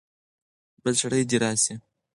بل سړی دې راسي.